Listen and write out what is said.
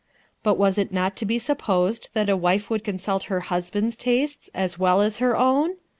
But was it not to be imposed that a wife would consult her husband's tastes as wen aa her own?